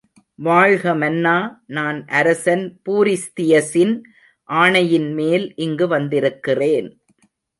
வாழ்க மன்னா நான் அரசன் பூரிஸ்தியஸின் ஆணையின்மேல் இங்கு வந்திருக்கிறேன்.